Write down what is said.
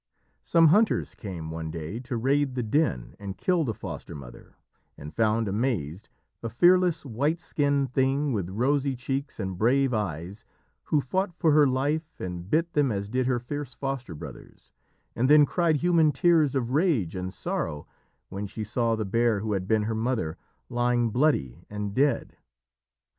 Some hunters came one day to raid the den and kill the foster mother, and found, amazed, a fearless, white skinned thing with rosy cheeks and brave eyes, who fought for her life and bit them as did her fierce foster brothers, and then cried human tears of rage and sorrow when she saw the bear who had been her mother lying bloody and dead.